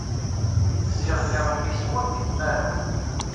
Ziɣen iɣelli swab deg tmara.